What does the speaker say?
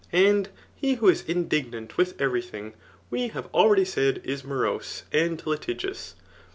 And he who is ind^nant with every thing, we have already said, is morose and Btigious.